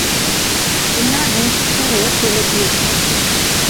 মিনা দেশ ছেড়ে চলে গিয়েছে।